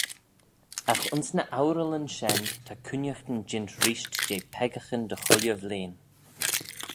Agh ayns ny ourallyn shen ta cooinaghtyn jeant reesht jeh peccaghyn dy chooilley vlein.